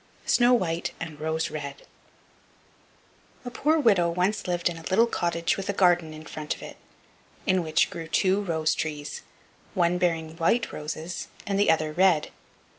SNOW WHITE AND ROSE RED A poor widow once lived in a little cottage with a garden in front of it, in which grew two rose trees, one bearing white roses and the other red.